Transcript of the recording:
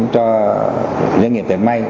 cho doanh nghiệp tuyển may